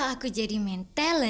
pak saya bekerja